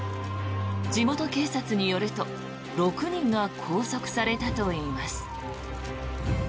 地元警察によると６人が拘束されたといいます。